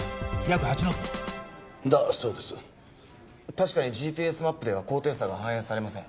確かにＧＰＳマップでは高低差が反映されません。